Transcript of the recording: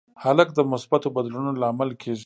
هلک د مثبتو بدلونونو لامل کېږي.